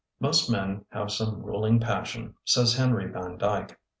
Most men have some ruling passion, says Henry van Dyke.